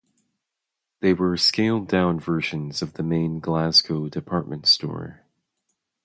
They were scaled-down versions of the main Glasgow department store.